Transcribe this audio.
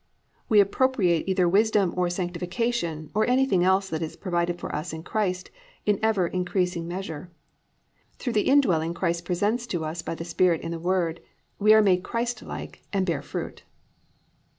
We appropriate either wisdom or sanctification or anything else that is provided for us in Christ in ever increasing measure. Through the indwelling Christ presented to us by the Spirit in the Word, we are made Christlike and bear fruit.